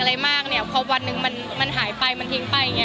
อะไรมากพอวันหนึ่งมันหายไปมันทิ้งไป